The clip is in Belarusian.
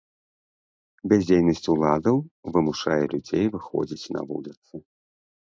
Бяздзейнасць уладаў вымушае людзей выходзіць на вуліцы.